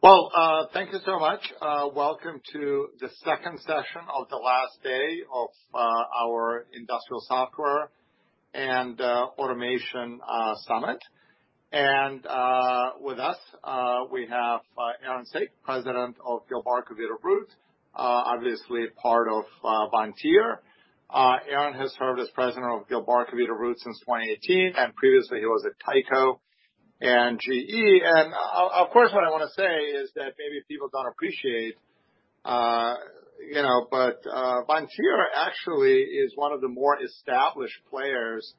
Well, thank you so much. Welcome to the second session of the last day of our Industrial Software and Automation Summit. With us, we have Aaron Saak, President of Gilbarco Veeder-Root, obviously part of Vontier. Aaron has served as President of Gilbarco Veeder-Root since 2018, and previously he was at Tyco and GE. Of course, what I want to say is that maybe people don't appreciate, but Vontier actually is one of the more established players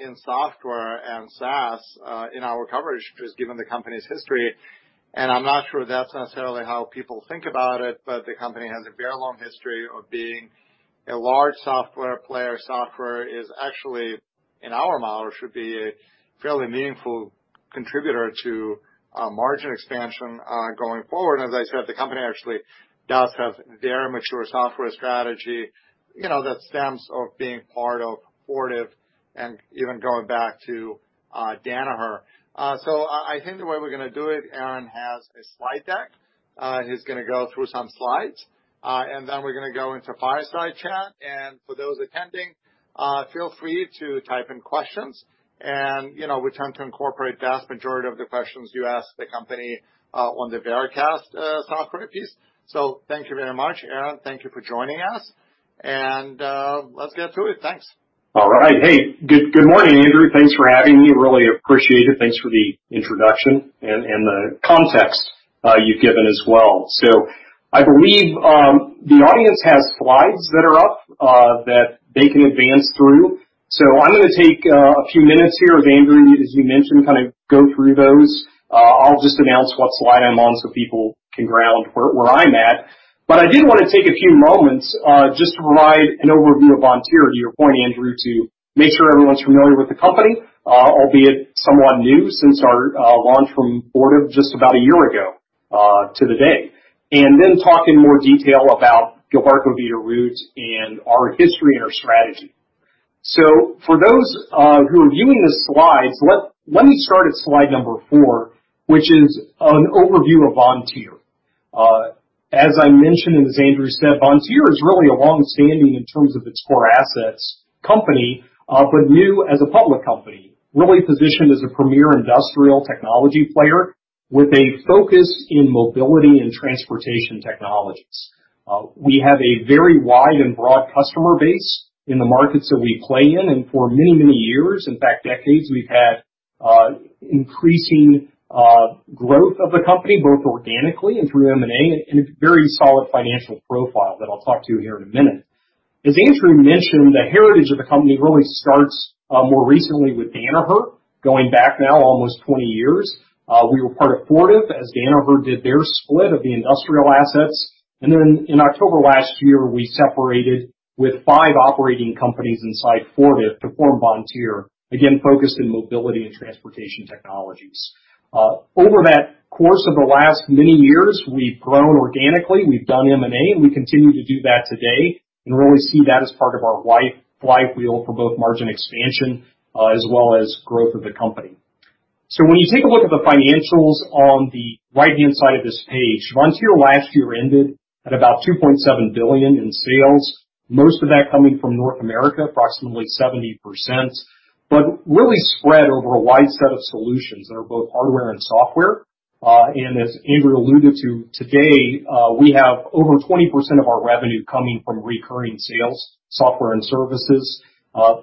in software and SaaS in our coverage, just given the company's history, and I'm not sure that's necessarily how people think about it, but the company has a very long history of being a large software player. Software is actually, in our model, should be a fairly meaningful contributor to margin expansion going forward. As I said, the company actually does have very mature software strategy that stems of being part of Fortive and even going back to Danaher. I think the way we're going to do it, Aaron has a slide deck. He's going to go through some slides, and then we're going to go into fireside chat. For those attending, feel free to type in questions. We try to incorporate vast majority of the questions you ask the company on the Veracast software piece. Thank you very much, Aaron. Thank you for joining us. Let's get to it. Thanks. All right. Hey, good morning, Andrew. Thanks for having me, really appreciate it. Thanks for the introduction and the context you've given as well. I believe the audience has slides that are up that they can advance through. I'm going to take a few minutes here, Andrew, as you mentioned, go through those. I'll just announce what slide I'm on so people can ground where I'm at. I did want to take a few moments just to provide an overview of Vontier, to your point, Andrew, to make sure everyone's familiar with the company, albeit somewhat new since our launch from Fortive just about a year ago to the day, and then talk in more detail about Gilbarco Veeder-Root and our history and our strategy. For those who are viewing the slides, let me start at slide number four, which is an overview of Vontier. As I mentioned, as Andrew said, Vontier is really a longstanding in terms of its core assets company, but new as a public company, really positioned as a premier industrial technology player with a focus in mobility and transportation technologies. We have a very wide and broad customer base in the markets that we play in, and for many, many years, in fact, decades, we've had increasing growth of the company, both organically and through M&A, and a very solid financial profile that I'll talk to you here in a minute. As Andrew mentioned, the heritage of the company really starts more recently with Danaher going back now almost 20 years. We were part of Fortive as Danaher did their split of the industrial assets. Then in October last year, we separated with five operating companies inside Fortive to form Vontier, again, focused in mobility and transportation technologies. Over that course of the last many years, we've grown organically. We've done M&A, and we continue to do that today and really see that as part of our flywheel for both margin expansion as well as growth of the company. When you take a look at the financials on the right-hand side of this page, Vontier last year ended at about $2.7 billion in sales, most of that coming from North America, approximately 70%, but really spread over a wide set of solutions that are both hardware and software. As Andrew alluded to today, we have over 20% of our revenue coming from recurring sales, software and services,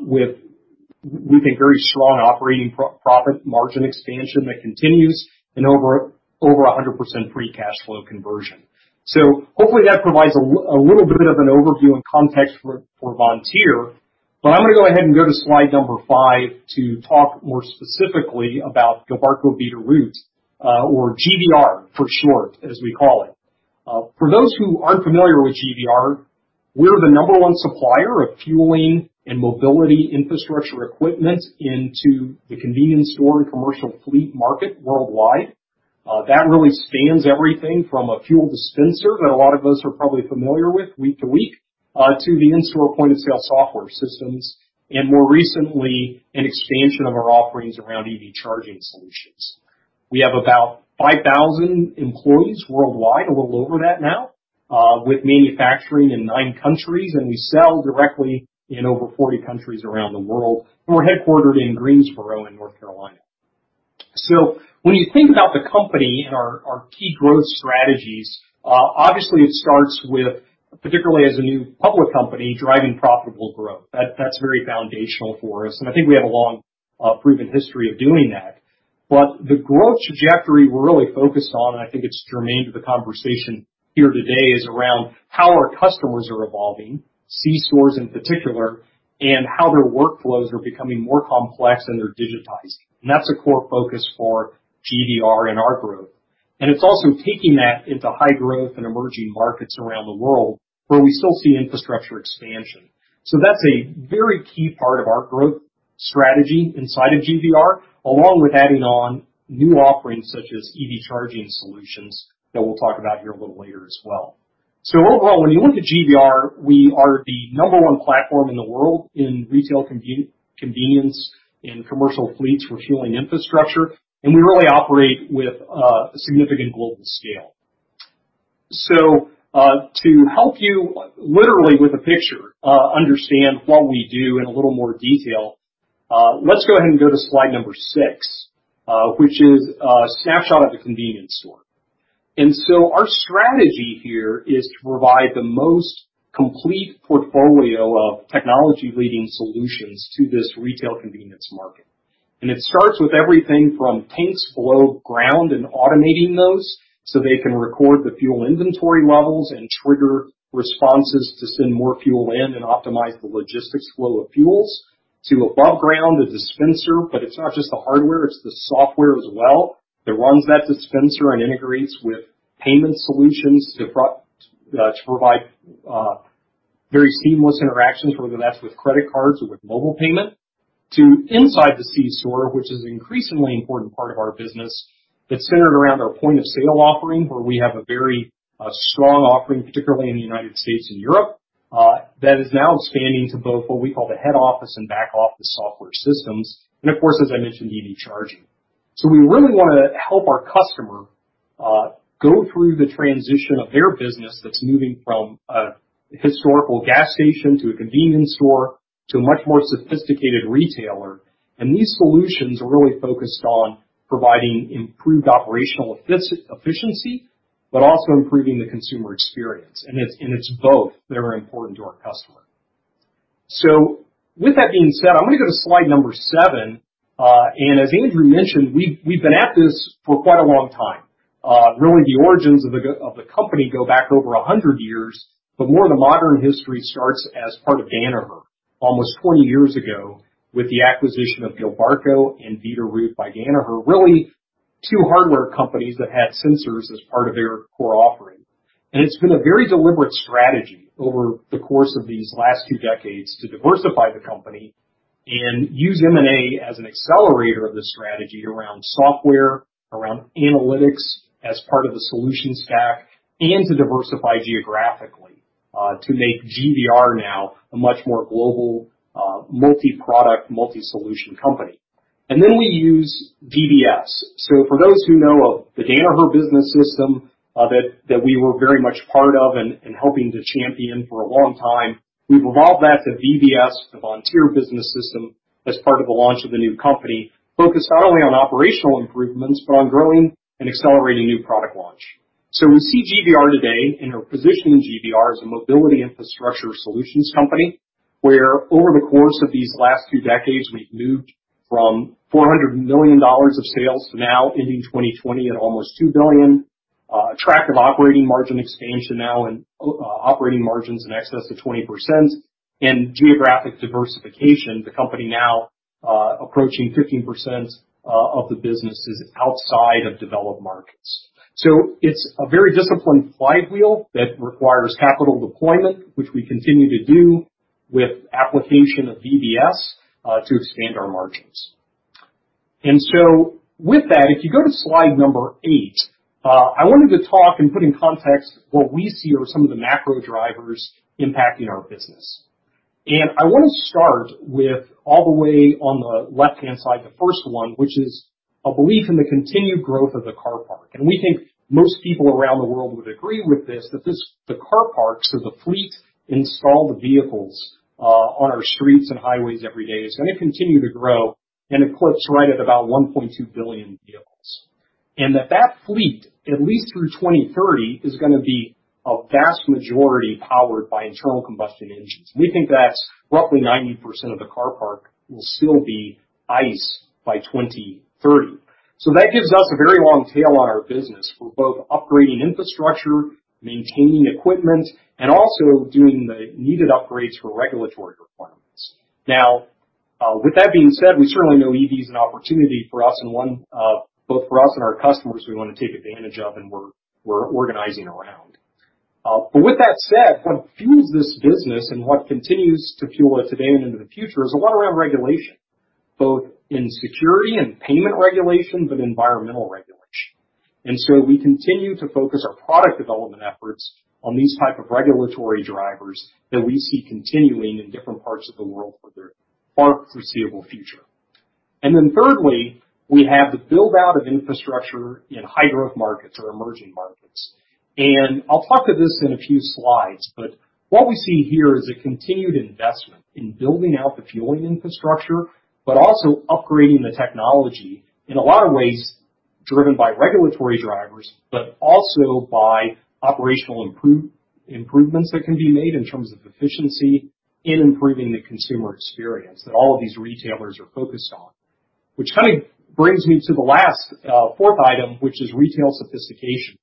with a very strong operating profit margin expansion that continues and over 100% free cash flow conversion. Hopefully that provides a little bit of an overview and context for Vontier. I'm going to go ahead and go to slide number five to talk more specifically about Gilbarco Veeder-Root, or GVR for short, as we call it. For those who aren't familiar with GVR, we're the number one supplier of fueling and mobility infrastructure equipment into the convenience store and commercial fleet market worldwide. That really spans everything from a fuel dispenser that a lot of us are probably familiar with week to week, to the in-store point-of-sale software systems, and more recently, an expansion of our offerings around EV charging solutions. We have about 5,000 employees worldwide, a little over that now, with manufacturing in nine countries, and we sell directly in over 40 countries around the world. We're headquartered in Greensboro in N.C. When you think about the company and our key growth strategies, obviously it starts with, particularly as a new public company, driving profitable growth. That's very foundational for us, and I think we have a long, proven history of doing that. The growth trajectory we're really focused on, and I think it's germane to the conversation here today, is around how our customers are evolving, C-stores in particular, and how their workflows are becoming more complex and they're digitized. That's a core focus for GVR and our growth. It's also taking that into high growth and emerging markets around the world where we still see infrastructure expansion. That's a very key part of our growth strategy inside of GVR, along with adding on new offerings such as EV charging solutions that we'll talk about here a little later as well. Overall, when you look at GVR, we are the number one platform in the world in retail convenience, in commercial fleets, refueling infrastructure, and we really operate with a significant global scale. To help you literally with a picture, understand what we do in a little more detail, let's go ahead and go to slide number six, which is a snapshot of the convenience store. Our strategy here is to provide the most complete portfolio of technology-leading solutions to this retail convenience market. It starts with everything from tanks below ground and automating those, so they can record the fuel inventory levels and trigger responses to send more fuel in and optimize the logistics flow of fuels to above ground, the dispenser. It's not just the hardware, it's the software as well that runs that dispenser and integrates with payment solutions to provide very seamless interactions, whether that's with credit cards or with mobile payment to inside the C-store, which is an increasingly important part of our business that's centered around our point-of-sale offering, where we have a very strong offering, particularly in the United States and Europe, that is now expanding to both what we call the head office and back office software systems. Of course, as I mentioned, EV charging. We really want to help our customer go through the transition of their business that's moving from a historical gas station to a convenience store to a much more sophisticated retailer. These solutions are really focused on providing improved operational efficiency, but also improving the consumer experience. It's both that are important to our customer. With that being said, I'm going to go to slide number seven. As Andrew mentioned, we've been at this for quite a long time. The origins of the company go back over 100 years, but more the modern history starts as part of Danaher almost 20 years ago with the acquisition of Gilbarco and Veeder-Root by Danaher, really two hardware companies that had sensors as part of their core offering. It's been a very deliberate strategy over the course of these last two decades to diversify the company and use M&A as an accelerator of the strategy around software, around analytics as part of the solution stack, and to diversify geographically, to make GVR now a much more global, multi-product, multi-solution company. We use VBS. For those who know of the Danaher Business System that we were very much part of and helping to champion for a long time, we've evolved that to VBS, the Vontier Business System, as part of the launch of the new company, focused not only on operational improvements, but on growing and accelerating new product launch. We see GVR today and are positioning GVR as a mobility infrastructure solutions company, where over the course of these last two decades, we've moved from $400 million of sales to now ending 2020 at almost $2 billion, a track of operating margin expansion now and operating margins in excess of 20%, and geographic diversification. The company now approaching 15% of the business is outside of developed markets. It's a very disciplined flywheel that requires capital deployment, which we continue to do with application of VBS, to expand our margins. With that, if you go to slide number eight, I wanted to talk and put in context what we see are some of the macro drivers impacting our business. I want to start with all the way on the left-hand side, the first one, which is a belief in the continued growth of the car park. We think most people around the world would agree with this, that the car parks or the fleet installed vehicles on our streets and highways every day is going to continue to grow and eclipse right at about 1.2 billion vehicles. That fleet, at least through 2030, is going to be a vast majority powered by internal combustion engines. We think that roughly 90% of the car park will still be ICE by 2030. That gives us a very long tail on our business for both upgrading infrastructure, maintaining equipment, and also doing the needed upgrades for regulatory requirements. With that being said, we certainly know EV is an opportunity both for us and our customers we want to take advantage of and we're organizing around. With that said, what fuels this business and what continues to fuel it today and into the future is a lot around regulation, both in security and payment regulation, but environmental regulation. We continue to focus our product development efforts on these type of regulatory drivers that we see continuing in different parts of the world for the foreseeable future. Thirdly, we have the build-out of infrastructure in high-growth markets or emerging markets. I'll talk to this in a few slides, but what we see here is a continued investment in building out the fueling infrastructure, but also upgrading the technology in a lot of ways driven by regulatory drivers, but also by operational improvements that can be made in terms of efficiency in improving the consumer experience that all of these retailers are focused on. Which kind of brings me to the last, fourth item, which is retail sophistication.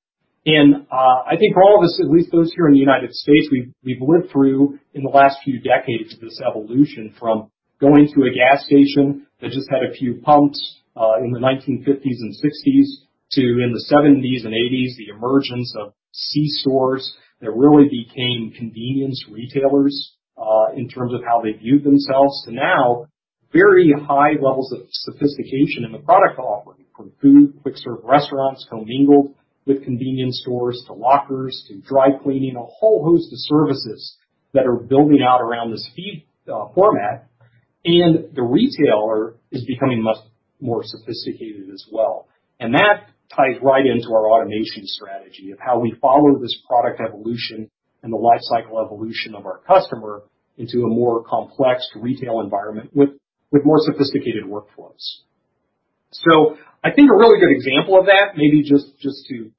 I think for all of us, at least those here in the United States, we've lived through in the last few decades, this evolution from going to a gas station that just had a few pumps, in the 1950s and 1960s to in the 1970s and 1980s, the emergence of C-stores that really became convenience retailers, in terms of how they viewed themselves to now very high levels of sophistication in the product offering. From food, quick serve restaurants, co-mingled with convenience stores, to lockers, to dry cleaning, a whole host of services that are building out around this feed format, and the retailer is becoming much more sophisticated as well. That ties right into our automation strategy of how we follow this product evolution and the life cycle evolution of our customer into a more complex retail environment with more sophisticated workforce. I think a really good example of that, maybe just to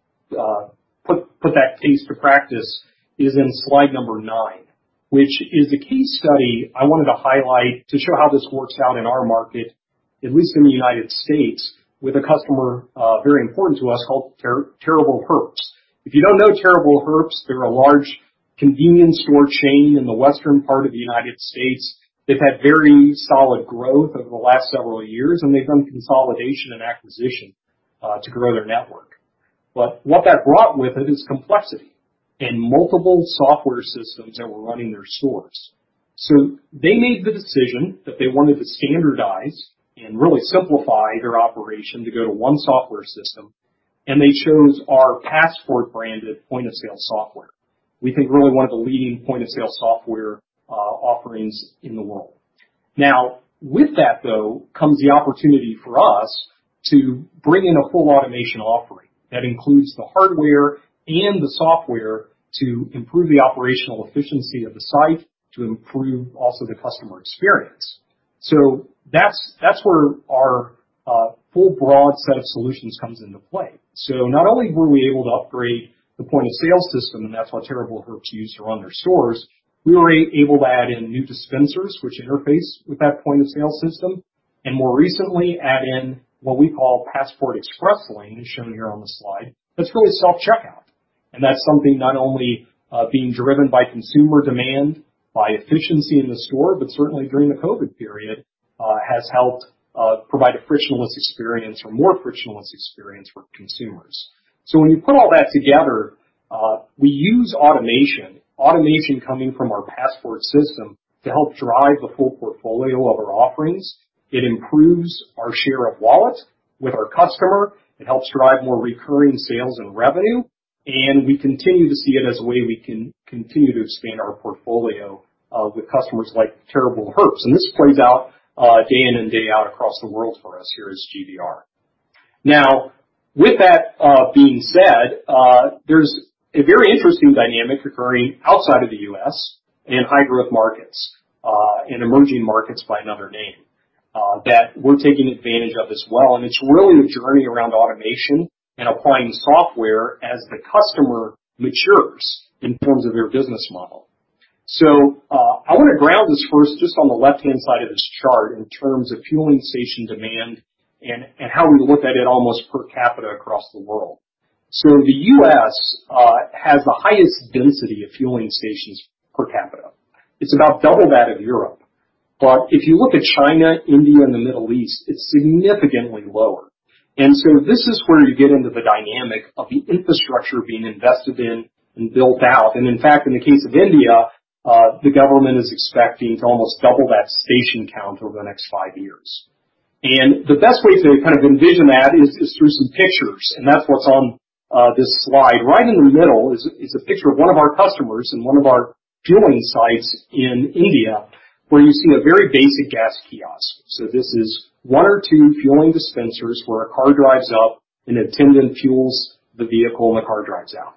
put that case to practice, is in slide number nine, which is a case study I wanted to highlight to show how this works out in our market, at least in the United States, with a customer, very important to us, called Terrible Herbst. If you don't know Terrible Herbst, they're a large convenience store chain in the western part of the United States. They've had very solid growth over the last several years, and they've done consolidation and acquisition to grow their network. What that brought with it is complexity and multiple software systems that were running their stores. They made the decision that they wanted to standardize and really simplify their operation to go to one software system, and they chose our Passport-branded point-of-sale software. We think really one of the leading point-of-sale software offerings in the world. With that, though, comes the opportunity for us to bring in a full automation offering that includes the hardware and the software to improve the operational efficiency of the site, to improve also the customer experience. That's where our full, broad set of solutions comes into play. Not only were we able to upgrade the point-of-sale system, and that's what Terrible Herbst used around their stores, we were able to add in new dispensers, which interface with that point-of-sale system, and more recently add in what we call Passport Express Lane, as shown here on the slide. That's really self-checkout. That's something not only being driven by consumer demand, by efficiency in the store, but certainly during the COVID period, has helped provide a frictionless experience or more frictionless experience for consumers. When you put all that together, we use automation coming from our Passport system to help drive the full portfolio of our offerings. It improves our share of wallet with our customer. It helps drive more recurring sales and revenue, and we continue to see it as a way we can continue to expand our portfolio, with customers like Terrible Herbst. This plays out day in and day out across the world for us here as GVR. With that being said, there's a very interesting dynamic occurring outside of the U.S. in high growth markets, in emerging markets by another name, that we're taking advantage of as well. It's really the journey around automation and applying software as the customer matures in terms of their business model. I want to ground this first just on the left-hand side of this chart in terms of fueling station demand and how we look at it almost per capita across the world. The U.S. has the highest density of fueling stations per capita. It's about double that of Europe. If you look at China, India, and the Middle East, it's significantly lower. This is where you get into the dynamic of the infrastructure being invested in and built out. In fact, in the case of India, the government is expecting to almost double that station count over the next five years. The best way to kind of envision that is through some pictures, and that's what's on this slide. Right in the middle is a picture of one of our customers in one of our fueling sites in India, where you see a very basic gas kiosk. This is one or two fueling dispensers where a car drives up, an attendant fuels the vehicle, and the car drives out.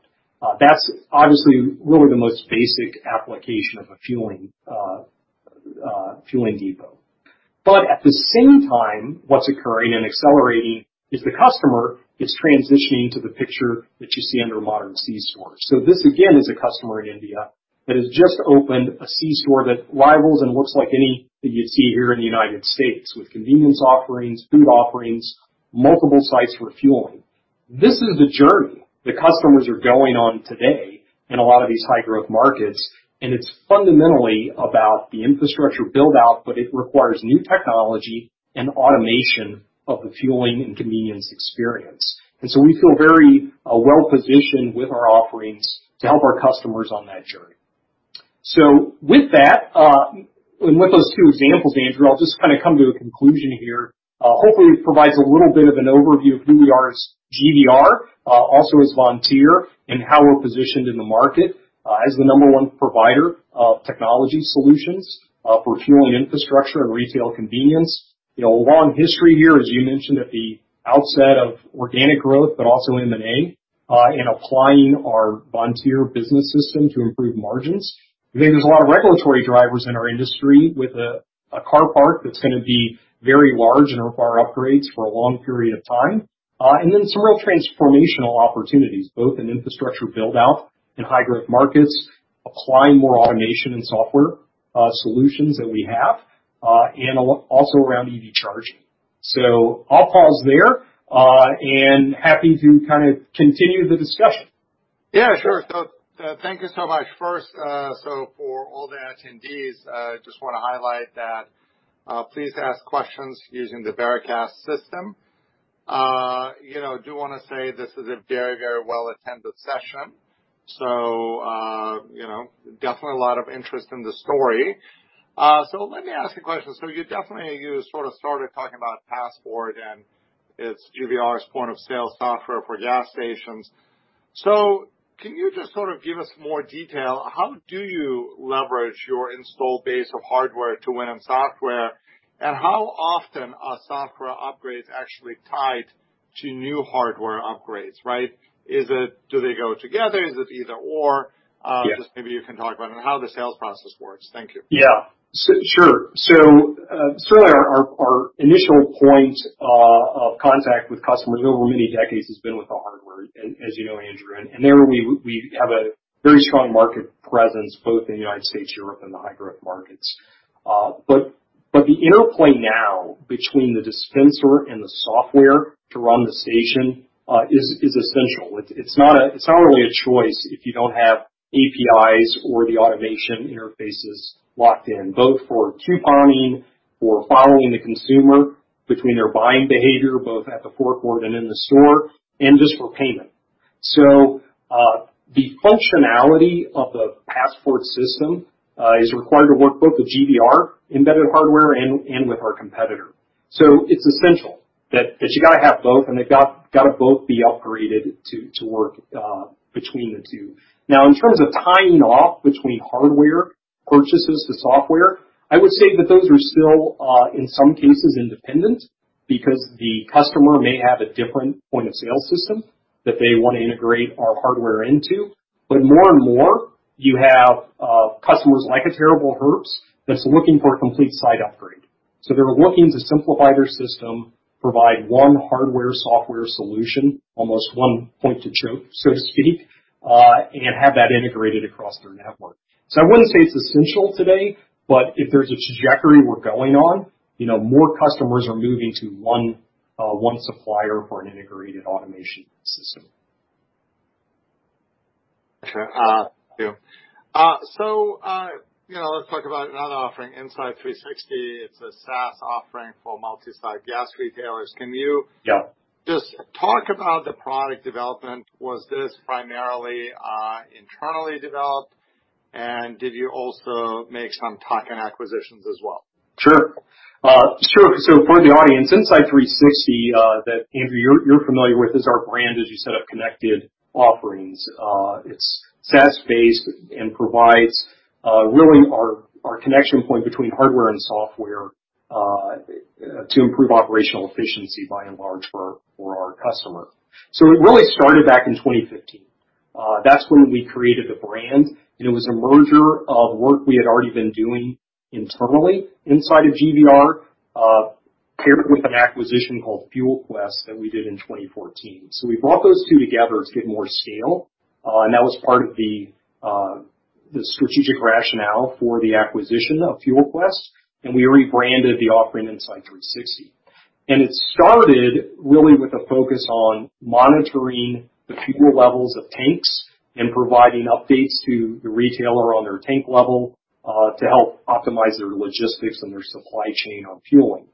That's obviously really the most basic application of a fueling depot. At the same time, what's occurring and accelerating is the customer is transitioning to the picture that you see under modern C-store. This again is a customer in India that has just opened a C-store that rivals and looks like any that you'd see here in the United States, with convenience offerings, food offerings, multiple sites for fueling. This is a journey the customers are going on today in a lot of these high-growth markets. It's fundamentally about the infrastructure build-out, but it requires new technology and automation of the fueling and convenience experience. We feel very well-positioned with our offerings to help our customers on that journey. With that, and with those two examples, Andrew, I'll just kind of come to a conclusion here. Hopefully it provides a little bit of an overview of who we are as GVR, also as Vontier, how we're positioned in the market, as the number one provider of technology solutions for fueling infrastructure and retail convenience. A long history here, as you mentioned at the outset of organic growth, but also M&A, in applying our Vontier Business System to improve margins. We think there's a lot of regulatory drivers in our industry with a car park that's going to be very large and require upgrades for a long period of time. Some real transformational opportunities, both in infrastructure build-out in high-growth markets, applying more automation and software solutions that we have, and also around EV charging. I'll pause there, and happy to kind of continue the discussion. Yeah, sure. Thank you so much. First, so for all the attendees, just want to highlight that please ask questions using the Veracast system. I do want to say this is a very well-attended session. Definitely a lot of interest in the story. Let me ask a question. You definitely sort of started talking about Passport and its GVR's point-of-sale software for gas stations. Can you just sort of give us more detail? How do you leverage your install base of hardware to win on software? How often are software upgrades actually tied to new hardware upgrades, right? Do they go together? Is it either/or? Yeah. Just maybe you can talk about how the sales process works. Thank you. Yeah. Sure. Certainly our initial point of contact with customers over many decades has been with the hardware, as you know, Andrew. There we have a very strong market presence both in the United States, Europe, and the high-growth markets. The interplay now between the dispenser and the software to run the station is essential. It's not really a choice if you don't have APIs or the automation interfaces locked in, both for couponing or following the consumer between their buying behavior, both at the forecourt and in the store, and just for payment. The functionality of the Passport system is required to work both with GVR embedded hardware and with our competitor. It's essential that you got to have both and they got to both be upgraded to work between the two. Now, in terms of tying off between hardware purchases to software, I would say that those are still in some cases independent because the customer may have a different point-of-sale system that they want to integrate our hardware into. More and more you have customers like a Terrible Herbst that's looking for a complete site upgrade. They're looking to simplify their system, provide one hardware, software solution, almost one point to choke, so to speak, and have that integrated across their network. I wouldn't say it's essential today, but if there's a trajectory we're going on, more customers are moving to one supplier for an integrated automation system. Okay. Thank you. Let's talk about another offering, Insite360. It's a SaaS offering for multi-site gas retailers. Yeah Just talk about the product development. Was this primarily internally developed and did you also make some token acquisitions as well? Sure. For the audience, Insite360, that Andrew you're familiar with, is our brand, as you said, of connected offerings. It's SaaS-based and provides really our connection point between hardware and software to improve operational efficiency by and large for our customer. It really started back in 2015. That's when we created the brand, and it was a merger of work we had already been doing internally inside of GVR, paired with an acquisition called FuelQuest that we did in 2014. We brought those two together to get more scale. That was part of the strategic rationale for the acquisition of FuelQuest, and we rebranded the offering Insite360. It started really with a focus on monitoring the fuel levels of tanks and providing updates to the retailer on their tank level, to help optimize their logistics and their supply chain on fueling.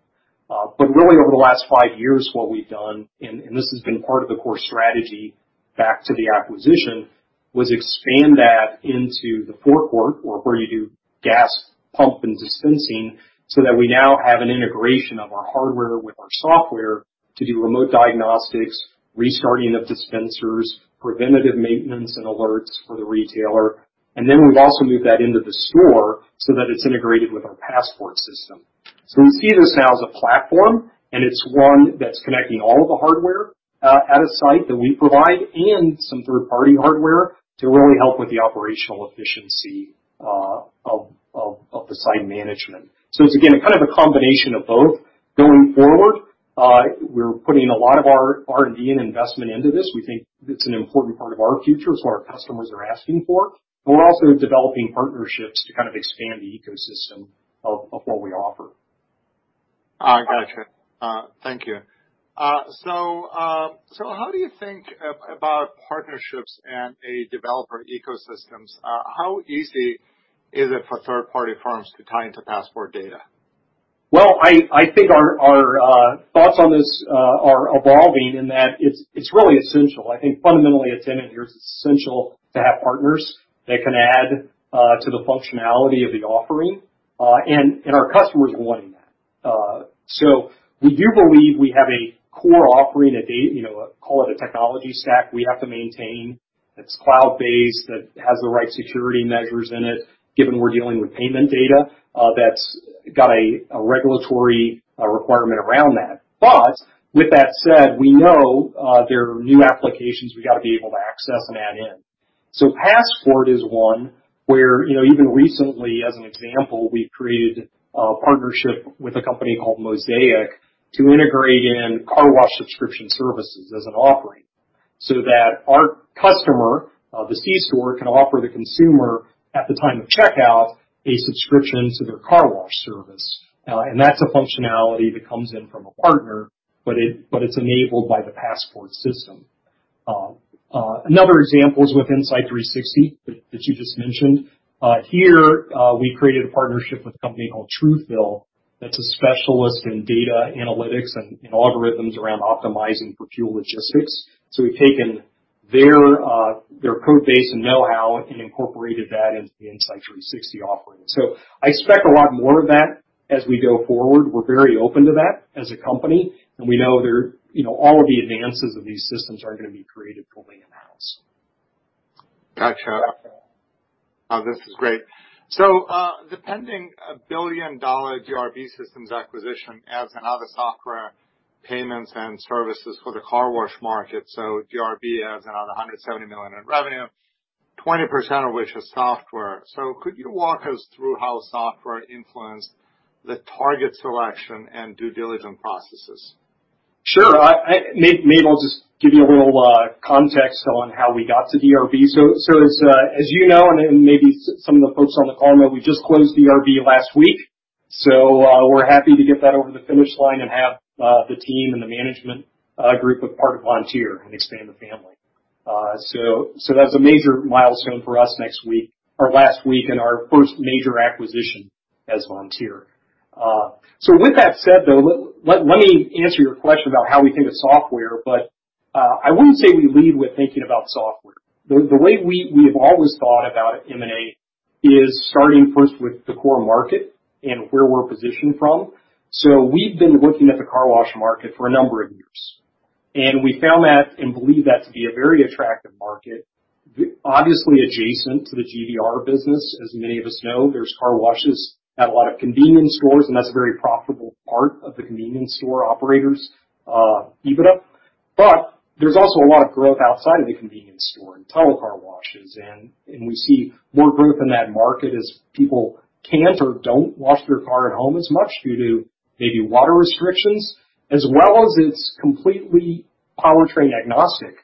Really over the last five years, what we've done, and this has been part of the core strategy back to the acquisition, was expand that into the forecourt or where you do gas pump and dispensing, so that we now have an integration of our hardware with our software to do remote diagnostics, restarting of dispensers, preventative maintenance and alerts for the retailer. We've also moved that into the store so that it's integrated with our Passport system. We see this now as a platform, and it's one that's connecting all of the hardware at a site that we provide and some third-party hardware to really help with the operational efficiency of the site management. It's again, kind of a combination of both. Going forward, we're putting a lot of our R&D and investment into this. We think it's an important part of our future, it's what our customers are asking for. We're also developing partnerships to kind of expand the ecosystem of what we offer. Got you. Thank you. How do you think about partnerships and a developer ecosystems? How easy is it for third-party firms to tie into Passport data? Well, I think our thoughts on this are evolving in that it's really essential. I think fundamentally at Vontier, it's essential to have partners that can add to the functionality of the offering, and our customers wanting that. We do believe we have a core offering, call it a technology stack we have to maintain that's cloud-based, that has the right security measures in it, given we're dealing with payment data that's got a regulatory requirement around that. With that said, we know there are new applications we got to be able to access and add in. Passport is one where even recently, as an example, we've created a partnership with a company called Mosaic to integrate in car wash subscription services as an offering so that our customer, the c-store, can offer the consumer at the time of checkout a subscription to their car wash service. That's a functionality that comes in from a partner, but it's enabled by the Passport system. Another example is with Insite360 that you just mentioned. Here we created a partnership with a company called TRUEFILL that's a specialist in data analytics and algorithms around optimizing for fuel logistics. We've taken their code base and know-how and incorporated that into the Insite360 offering. I expect a lot more of that as we go forward. We're very open to that as a company, and we know all of the advances of these systems aren't going to be created fully in-house. Got you. This is great. The pending billion-dollar DRB Systems acquisition adds another software, payments, and services for the car wash market. DRB has another $170 million in revenue, 20% of which is software. Could you walk us through how software influenced the target selection and due diligence processes? Sure. Maybe I'll just give you a little context on how we got to DRB. As you know, and maybe some of the folks on the call know, we just closed DRB last week, so we're happy to get that over the finish line and have the team and the management group a part of Vontier and expand the family. That's a major milestone for us next week or last week and our first major acquisition as Vontier. With that said, though, let me answer your question about how we think of software, but I wouldn't say we lead with thinking about software. The way we have always thought about M&A is starting first with the core market and where we're positioned from. We've been looking at the car wash market for a number of years, and we found that and believe that to be a very attractive market. Obviously adjacent to the GVR business, as many of us know, there's car washes at a lot of convenience stores, and that's a very profitable part of the convenience store operators' EBITDA. There's also a lot of growth outside of the convenience store in tunnel car washes, and we see more growth in that market as people can't or don't wash their car at home as much due to maybe water restrictions, as well as it's completely powertrain agnostic.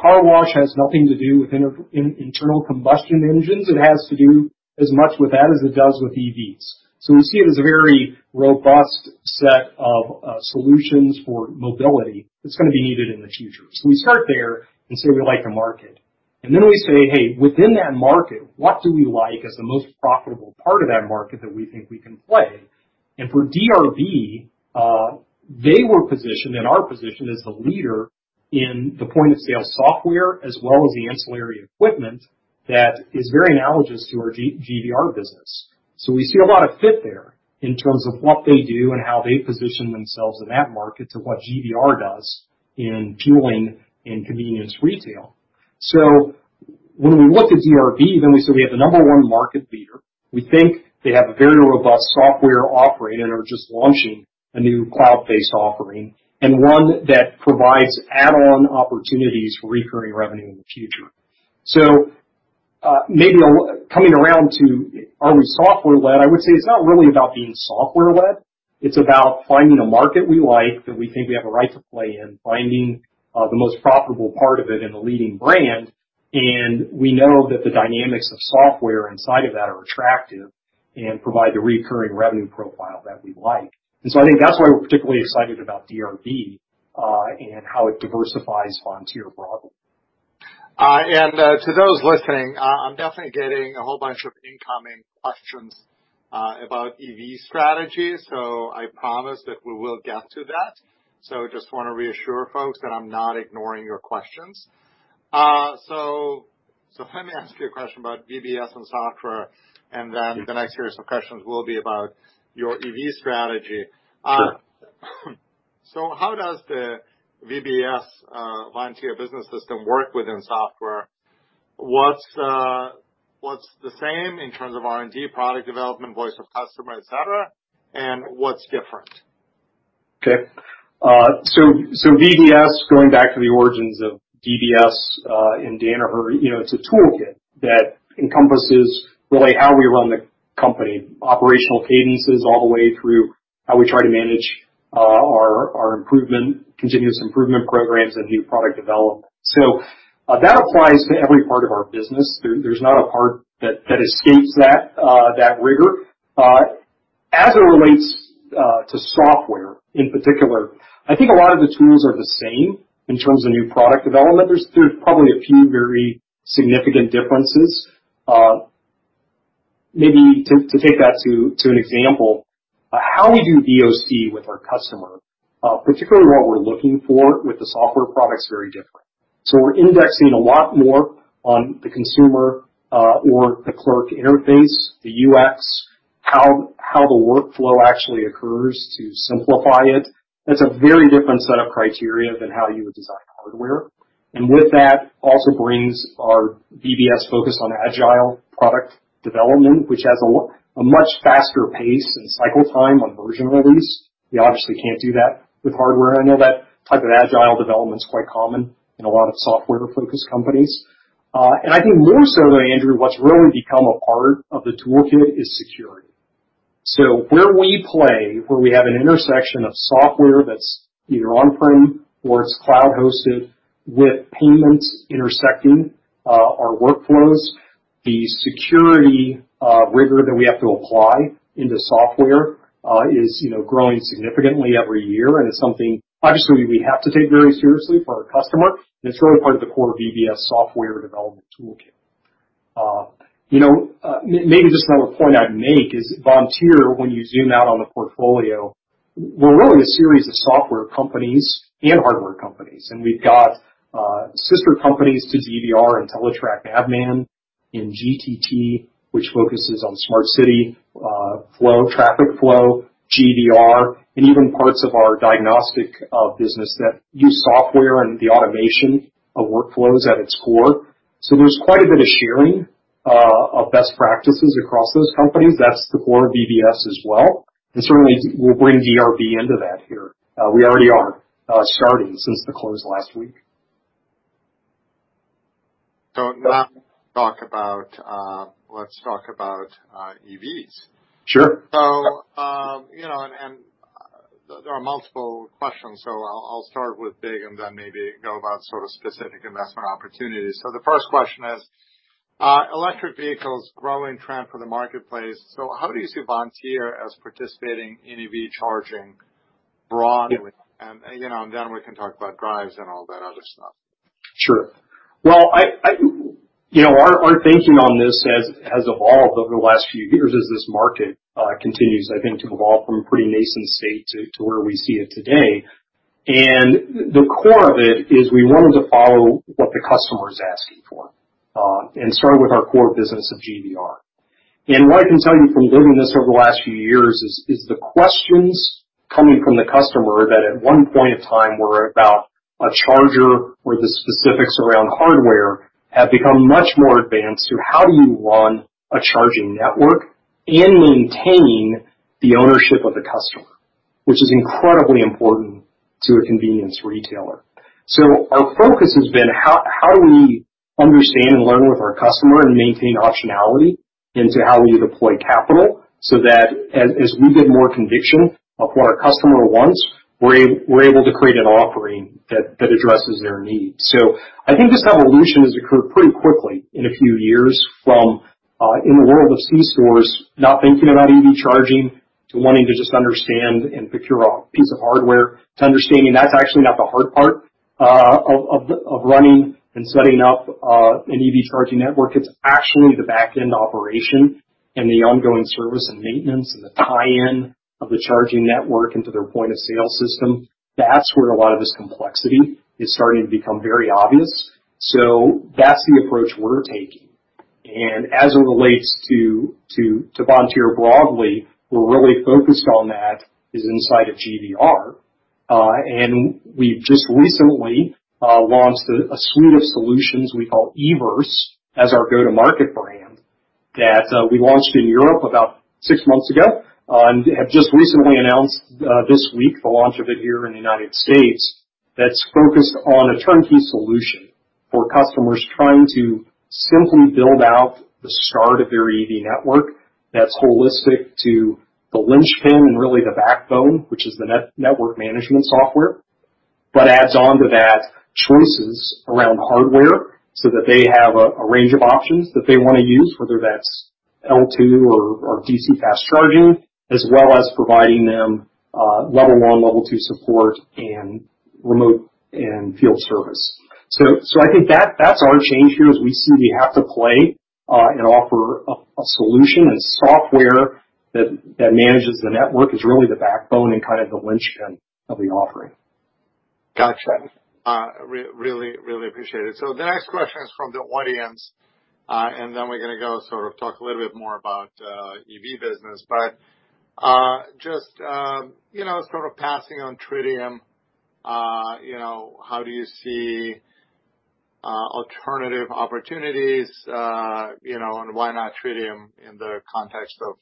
Car wash has nothing to do with internal combustion engines. It has to do as much with that as it does with EVs. We see it as a very robust set of solutions for mobility that's going to be needed in the future. We start there and say we like the market. Then we say, "Hey, within that market, what do we like as the most profitable part of that market that we think we can play?" For DRB, they were positioned and are positioned as the leader in the point-of-sale software, as well as the ancillary equipment that is very analogous to our GVR business. We see a lot of fit there in terms of what they do and how they position themselves in that market to what GVR does in fueling and convenience retail. When we looked at DRB, then we said we have the number one market leader. We think they have a very robust software offering and are just launching a new cloud-based offering and one that provides add-on opportunities for recurring revenue in the future. Maybe coming around to, are we software-led? I would say it's not really about being software-led. It's about finding a market we like that we think we have a right to play in, finding the most profitable part of it in a leading brand, and we know that the dynamics of software inside of that are attractive and provide the recurring revenue profile that we like. I think that's why we're particularly excited about DRB, and how it diversifies Vontier broadly. To those listening, I'm definitely getting a whole bunch of incoming questions about EV strategy, so I promise that we will get to that. Just want to reassure folks that I'm not ignoring your questions. Let me ask you a question about VBS and software, and then the next series of questions will be about your EV strategy. Sure. How does the VBS, Vontier Business System, work within software? What's the same in terms of R&D, product development, voice of customer, et cetera, and what's different? Okay. VBS, going back to the origins of VBS in Danaher, it's a toolkit that encompasses really how we run the company, operational cadences all the way through how we try to manage our continuous improvement programs and new product development. That applies to every part of our business. There's not a part that escapes that rigor. As it relates to software in particular, I think a lot of the tools are the same in terms of new product development. There's probably a few very significant differences. Maybe to take that to an example, how we do VoC with our customer, particularly what we're looking for with the software product is very different. We're indexing a lot more on the consumer or the clerk interface, the UX, how the workflow actually occurs to simplify it. That's a very different set of criteria than how you would design hardware. With that also brings our VBS focus on agile product development, which has a much faster pace and cycle time on version release. We obviously can't do that with hardware. I know that type of agile development is quite common in a lot of software-focused companies. I think more so, though, Andrew, what's really become a part of the toolkit is security. Where we play, where we have an intersection of software that's either on-prem or it's cloud-hosted with payments intersecting our workflows, the security rigor that we have to apply into software is growing significantly every year, and it's something, obviously, we have to take very seriously for our customer, and it's really part of the core VBS software development toolkit. Maybe just another point I'd make is Vontier, when you zoom out on the portfolio, we're really a series of software companies and hardware companies, and we've got sister companies to GVR and Teletrac Navman in GTT, which focuses on smart city traffic flow, GVR, and even parts of our diagnostic business that use software and the automation of workflows at its core. There's quite a bit of sharing of best practices across those companies. That's the core of VBS as well, and certainly we'll bring DRB into that here. We already are starting since the close last week. Now let's talk about EVs. Sure. There are multiple questions. I'll start with big and then maybe go about specific investment opportunities. The first question is, electric vehicles growing trend for the marketplace. How do you see Vontier as participating in EV charging broadly? Then we can talk about Driivz and all that other stuff. Sure. Well, our thinking on this has evolved over the last few years as this market continues, I think, to evolve from a pretty nascent state to where we see it today. The core of it is we wanted to follow what the customer is asking for and start with our core business of GVR. What I can tell you from living this over the last few years is the questions coming from the customer that at one point in time were about a charger or the specifics around hardware, have become much more advanced to how do you run a charging network and maintain the ownership of the customer, which is incredibly important to a convenience retailer. Our focus has been how do we understand and learn with our customer and maintain optionality into how we deploy capital so that as we get more conviction of what our customer wants, we're able to create an offering that addresses their needs. I think this evolution has occurred pretty quickly in a few years from, in the world of C-stores, not thinking about EV charging to wanting to just understand and procure one piece of hardware to understanding that's actually not the hard part of running and setting up an EV charging network. It's actually the back-end operation and the ongoing service and maintenance and the tie-in of the charging network into their point of sale system. That's where a lot of this complexity is starting to become very obvious. That's the approach we're taking. As it relates to Vontier broadly, we're really focused on that is inside of GVR. We've just recently launched a suite of solutions we call EVerse as our go-to-market brand that we launched in Europe about six months ago and have just recently announced this week the launch of it here in the United States that's focused on a turnkey solution for customers trying to simply build out the start of their EV network that's holistic to the linchpin and really the backbone, which is the network management software, but adds on to that choices around hardware so that they have a range of options that they want to use, whether that's L2 or DC fast charging, as well as providing them level one, level two support and remote and field service. I think that's our change here, is we see we have to play and offer a solution and software that manages the network is really the backbone and kind of the linchpin of the offering. Got you. Really appreciate it. The next question is from the audience. We're going to go talk a little bit more about EV business. Just sort of passing on Tritium, how do you see alternative opportunities, why not Tritium in the context of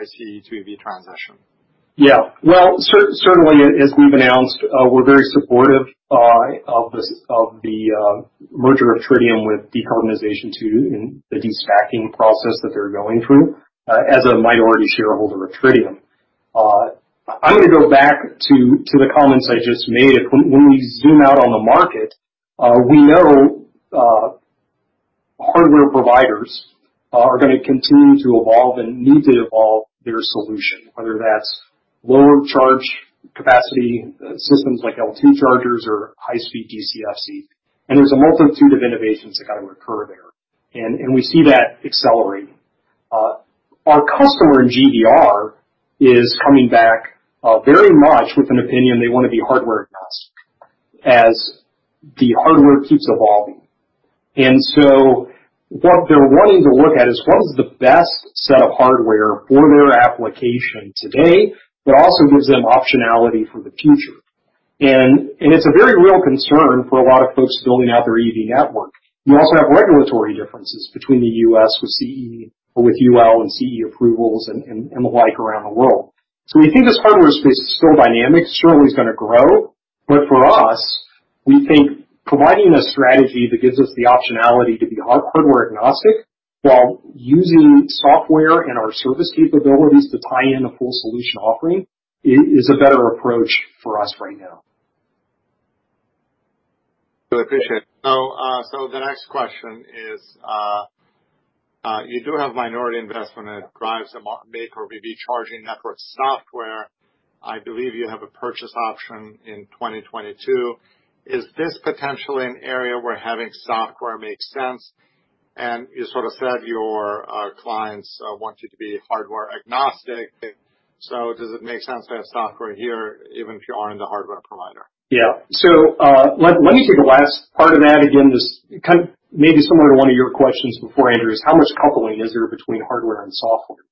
ICE to EV transition? Yeah. Well, certainly, as we've announced, we're very supportive of the merger of Tritium with Decarbonization II, in the de-stacking process that they're going through, as a minority shareholder of Tritium. I'm going to go back to the comments I just made. When we zoom out on the market, we know hardware providers are going to continue to evolve and need to evolve their solution, whether that's lower charge capacity systems like L2 chargers or high-speed DCFC. There's a multitude of innovations that got to occur there, and we see that accelerating. Our customer in GVR is coming back very much with an opinion they want to be hardware-agnostic as the hardware keeps evolving. What they're wanting to look at is what is the best set of hardware for their application today, but also gives them optionality for the future. It's a very real concern for a lot of folks building out their EV network. You also have regulatory differences between the U.S. with CE, or with UL and CE approvals and the like around the world. We think this hardware space is still dynamic, certainly is going to grow. For us, we think providing a strategy that gives us the optionality to be hardware-agnostic while using software and our service capabilities to tie in a full solution offering is a better approach for us right now. I appreciate it. The next question is, you do have minority investment that Driivz make or EV charging network software. I believe you have a purchase option in 2022. Is this potentially an area where having software makes sense? You sort of said your clients want you to be hardware agnostic, does it make sense to have software here, even if you aren't the hardware provider? Yeah. Let me take the last part of that again, just maybe similar to one of your questions before, Andrew, is how much coupling is there between hardware and software?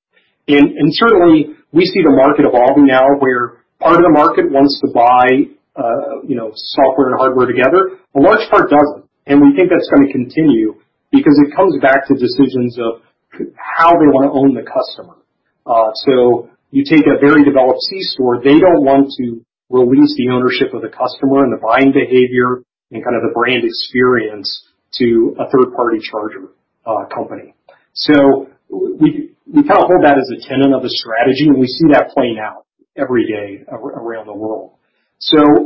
Certainly, we see the market evolving now where part of the market wants to buy software and hardware together. A large part doesn't, and we think that's going to continue because it comes back to decisions of how they want to own the customer. You take a very developed C-store, they don't want to release the ownership of the customer and the buying behavior and kind of the brand experience to a third-party charger company. We kind of hold that as a tenet of the strategy, and we see that playing out every day around the world.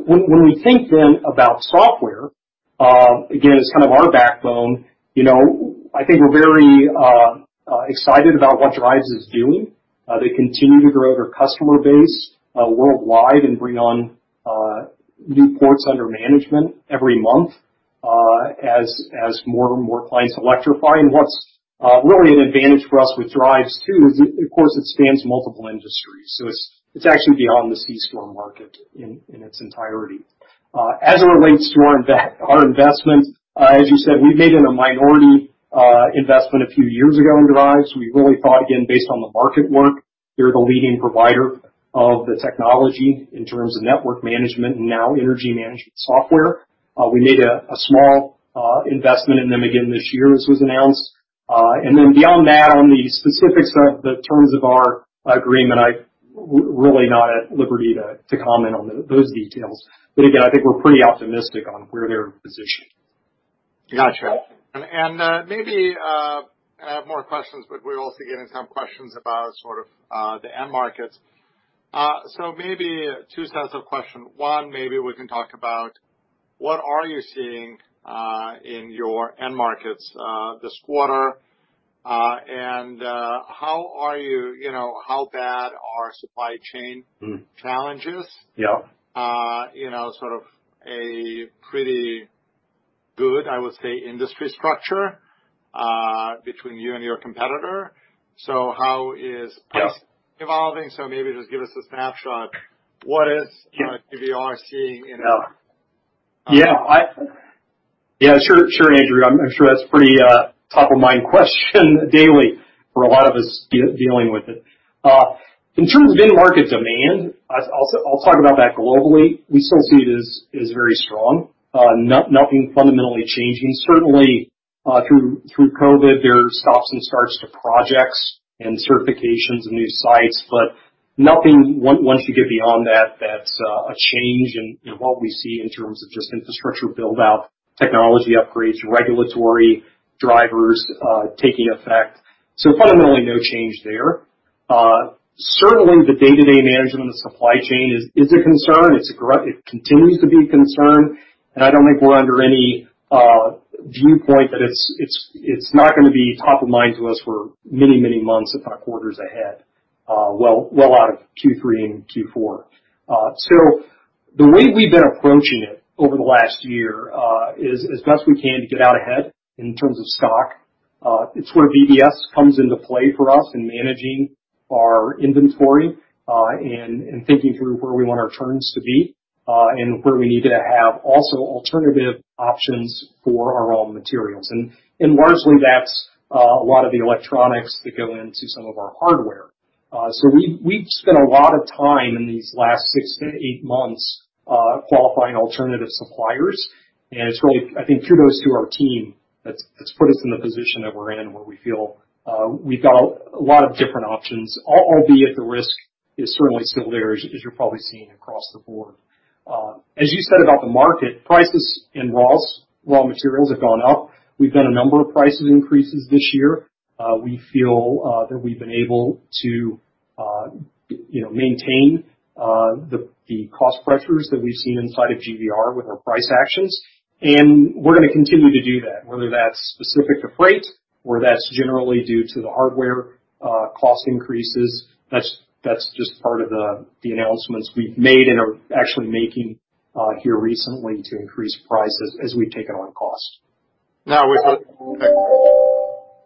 When we think then about software, again, as kind of our backbone, I think we're very excited about what Driivz is doing. They continue to grow their customer base worldwide and bring on new ports under management every month as more and more clients electrify. What's really an advantage for us with Driivz too, is of course, it spans multiple industries, so it's actually beyond the C-store market in its entirety. As it relates to our investment, as you said, we made it a minority investment a few years ago in Driivz. We really thought, again, based on the market work, they're the leading provider of the technology in terms of network management and now energy management software. We made a small investment in them again this year, as was announced. Beyond that, on the specifics of the terms of our agreement, I'm really not at liberty to comment on those details. Again, I think we're pretty optimistic on where they're positioned. Got you. Maybe I have more questions, but we're also getting some questions about sort of the end markets. Maybe two sets of question. One, maybe we can talk about what are you seeing in your end markets this quarter, and how bad are supply chain challenges? Yeah. Sort of a pretty good, I would say, industry structure between you and your competitor. How is price evolving? Maybe just give us a snapshot. What is GVR seeing in- Sure, Andrew. I'm sure that's a pretty top-of-mind question daily for a lot of us dealing with it. In terms of end market demand, I'll talk about that globally. We still see it as very strong. Nothing fundamentally changing. Certainly, through COVID, there's stops and starts to projects and certifications and new sites, but nothing, once you get beyond that's a change in what we see in terms of just infrastructure build-out, technology upgrades, regulatory drivers taking effect. Fundamentally, no change there. Certainly, the day-to-day management of the supply chain is a concern. It continues to be a concern, and I don't think we're under any viewpoint that it's not going to be top of mind to us for many months, if not quarters ahead. Well out of Q3 and Q4. The way we've been approaching it over the last year is as best we can to get out ahead in terms of stock. It's where VBS comes into play for us in managing our inventory, and thinking through where we want our turns to be, and where we need to have also alternative options for our raw materials. Largely that's a lot of the electronics that go into some of our hardware. We've spent a lot of time in these last six to eight months qualifying alternative suppliers, and it's really, I think, kudos to our team that's put us in the position that we're in, where we feel we've got a lot of different options, albeit the risk is certainly still there, as you're probably seeing across the board. As you said about the market, prices and raw materials have gone up. We've done a number of price increases this year. We feel that we've been able to maintain the cost pressures that we've seen inside of GVR with our price actions, and we're going to continue to do that, whether that's specific to freight or that's generally due to the hardware cost increases. That's just part of the announcements we've made and are actually making here recently to increase prices as we've taken on cost. Now with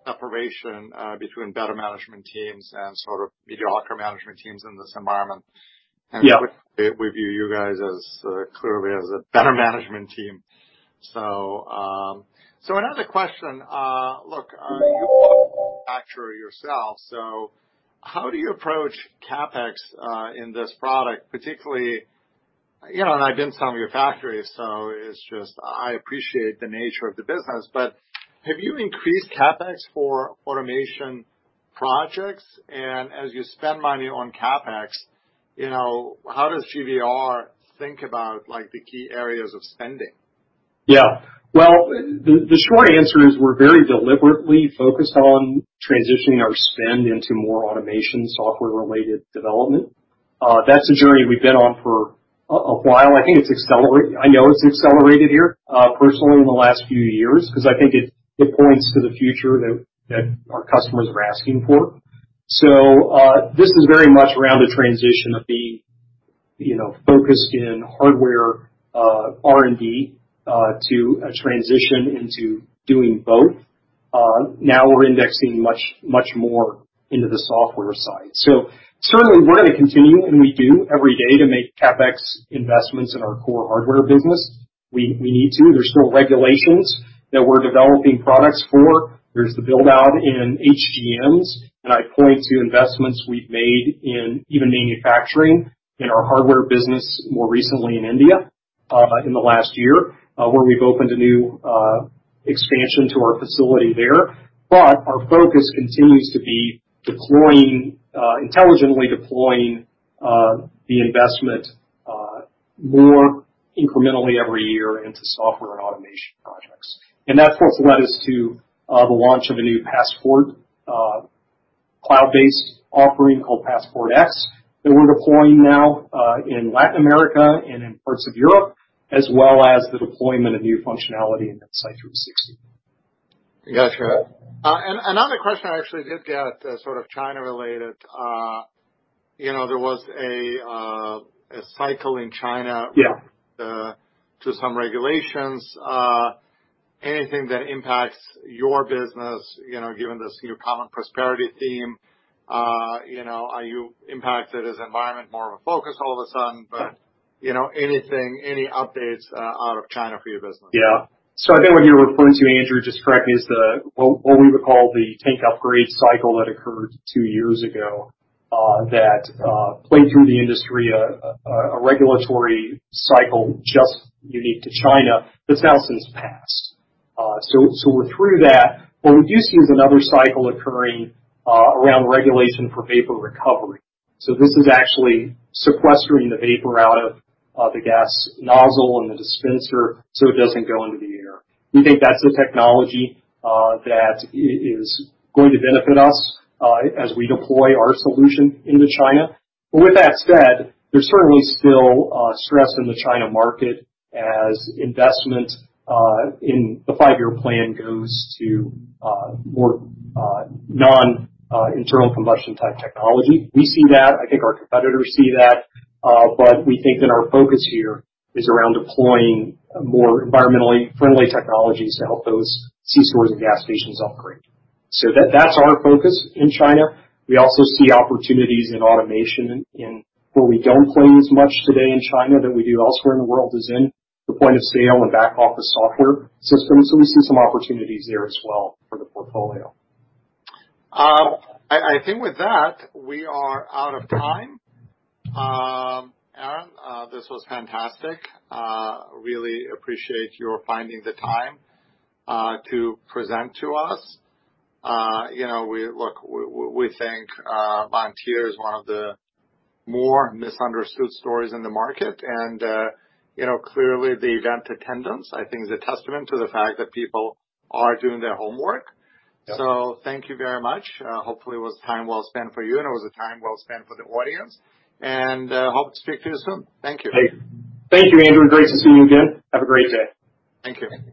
separation between better management teams and sort of mediocre management teams in this environment. Yeah and we view you guys clearly as a better management team. Another question. Look, you're a manufacturer yourself, so how do you approach CapEx in this product particularly I've been to some of your factories, so it's just I appreciate the nature of the business. Have you increased CapEx for automation projects? As you spend money on CapEx, how does GVR think about the key areas of spending? Yeah. Well, the short answer is we're very deliberately focused on transitioning our spend into more automation software-related development. That's a journey we've been on for a while. I know it's accelerated here personally in the last few years because I think it points to the future that our customers are asking for. This is very much around the transition of the focus in hardware R&D to a transition into doing both. Now we're indexing much more into the software side. Certainly we're going to continue, and we do every day to make CapEx investments in our core hardware business. We need to. There's still regulations that we're developing products for. There's the build-out in HGMs, and I point to investments we've made in even manufacturing in our hardware business more recently in India in the last year, where we've opened a new expansion to our facility there. Our focus continues to be intelligently deploying the investment more incrementally every year into software and automation projects. That, of course, led us to the launch of a new Passport cloud-based offering called PassportX, that we're deploying now in Latin America and in parts of Europe, as well as the deployment of new functionality in Insite360. Got you. Another question I actually did get, sort of China-related. There was a cycle in China- Yeah to some regulations. Anything that impacts your business, given this new common prosperity theme? Are you impacted as environment more of a focus all of a sudden? Anything, any updates out of China for your business? I think what you're referring to, Andrew, just correctly, is what we would call the tank upgrade cycle that occurred two years ago that played through the industry a regulatory cycle just unique to China. This now seems past. We're through that. What we do see is another cycle occurring around regulation for vapor recovery. This is actually sequestering the vapor out of the gas nozzle and the dispenser so it doesn't go into the air. We think that's the technology that is going to benefit us as we deploy our solution into China. With that said, there's certainly still stress in the China market as investment in the five-year plan goes to more non-internal combustion type technology. We see that. I think our competitors see that. We think that our focus here is around deploying more environmentally friendly technologies to help those C-stores and gas stations upgrade. That's our focus in China. We also see opportunities in automation in where we don't play as much today in China than we do elsewhere in the world, is in the point of sale and back office software systems. We see some opportunities there as well for the portfolio. I think with that, we are out of time. Aaron, this was fantastic. Really appreciate your finding the time to present to us. Look, we think Vontier is one of the more misunderstood stories in the market, and clearly the event attendance, I think, is a testament to the fact that people are doing their homework. Yeah. Thank you very much. Hopefully it was time well spent for you, and it was a time well spent for the audience. Hope to speak to you soon. Thank you. Thank you, Andrew, and great to see you again. Have a great day. Thank you.